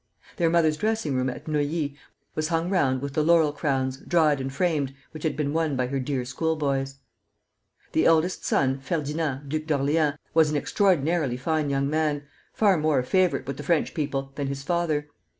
Their mother's dressing room at Neuilly was hung round with the laurel crowns, dried and framed, which had been won by her dear school boys. The eldest son, Ferdinand, Duke of Orleans, was an extraordinarily fine young man, far more a favorite with the French people than his father.